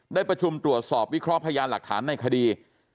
ได้ประชุมตรวจสอบวิเคราะห์พยานหลักฐานในคดี